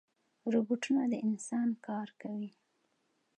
روبوټونه د انسان کار کوي